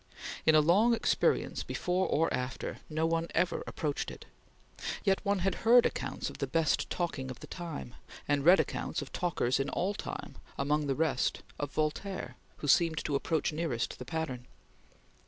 In a long experience, before or after, no one ever approached it; yet one had heard accounts of the best talking of the time, and read accounts of talkers in all time, among the rest, of Voltaire, who seemed to approach nearest the pattern.